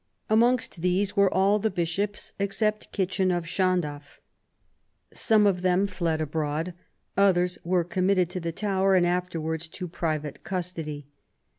Amongst these were all the Bishops, except Kitchin of Llandaff. Some of them fled abroad ; others were committed to the 54 QUEEN ELIZABETH. ■ Tower and afterwards to private custody.